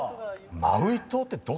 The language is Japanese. マウイ島ってどこ？